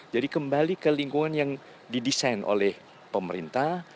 jadi kembali ke lingkungan yang didesain oleh pemerintah